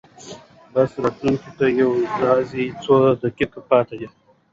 د بس راتګ ته یوازې څو دقیقې پاتې وې.